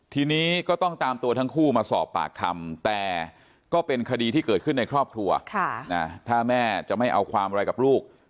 ทีนี้ก็ต้องตามตัวทั้งคู่มาสอบปากคำแต่ก็เป็นคดีที่เกิดขึ้นในครอบครัวถ้าแม่จะไม่เอาความอะไรกับลูก